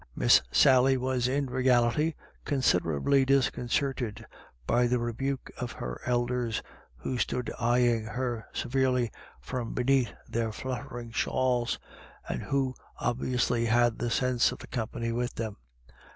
Miss Sally was in reality considerably dis concerted by the rebuke of her elders, who stood eyeing her severely from beneath their fluttering shawls, and who obviously had the sense of the company with them.